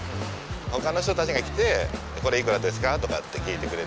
ほかの人たちが来て「これいくらですか？」とかって聞いてくれたり。